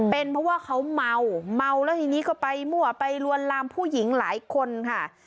เป็นเพราะว่าเขาเมาเมาแล้วทีนี้ก็ไปมั่วไปลวนลามผู้หญิงหลายคนค่ะ